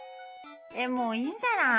もういいんじゃない？